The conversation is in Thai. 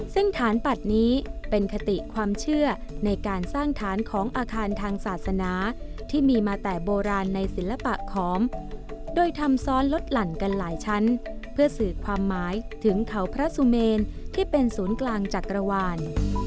ซึ่งฐานปัดนี้เป็นคติความเชื่อในการสร้างฐานของอาคารทางศาสนาที่มีมาแต่โบราณในศิลปะขอมโดยทำซ้อนลดหลั่นกันหลายชั้นเพื่อสื่อความหมายถึงเขาพระสุเมนที่เป็นศูนย์กลางจักรวาล